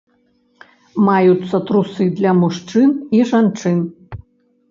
Маюцца трусы для мужчын і жанчын.